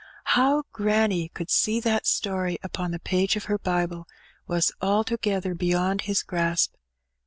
How granny could see that story upon the page of her Bible was altogether beyond his grasp.